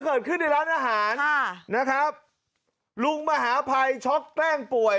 เกิดขึ้นในร้านอาหารค่ะนะครับลุงมหาภัยช็อกแกล้งป่วย